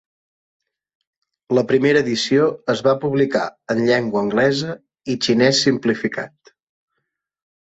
La primera edició es va publicar en llengua anglesa i xinès simplificat.